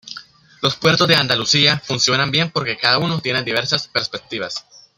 Los puertos de Andalucía funcionan bien porque cada uno tiene diversas perspectivas.